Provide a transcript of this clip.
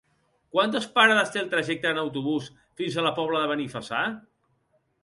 Quantes parades té el trajecte en autobús fins a la Pobla de Benifassà?